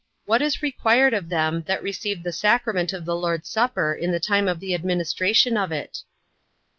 What is required of them that receive the sacrament of the Lord's supper in the time of the administration of it?